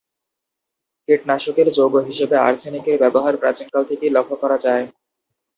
কীটনাশকের যৌগ হিসেবে আর্সেনিকের ব্যবহার প্রাচীনকাল থেকেই লক্ষ্য করা যায়।